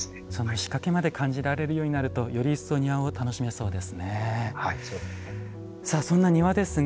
仕掛けまで感じられるようになるとより一層楽しめそうですね。